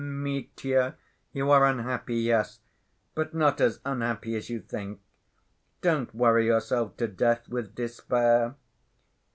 " "Mitya, you are unhappy, yes! But not as unhappy as you think. Don't worry yourself to death with despair."